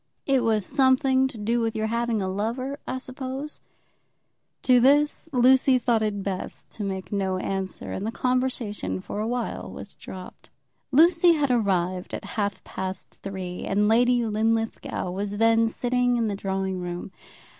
"It was something to do with your having a lover, I suppose." To this Lucy thought it best to make no answer, and the conversation for a while was dropped. Lucy had arrived at about half past three, and Lady Linlithgow was then sitting in the drawing room.